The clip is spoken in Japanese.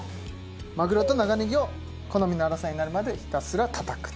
マグロと長ネギを好みの粗さになるまでひたすらたたくと。